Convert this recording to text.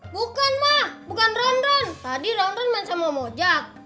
bukan mak bukan ronron tadi ronron main sama omojak